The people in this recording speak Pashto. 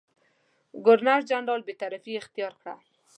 ګورنرجنرال بېطرفي اختیار کړه.